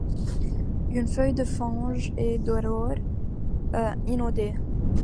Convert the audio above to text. Une feuille, de fange et d'aurore inondée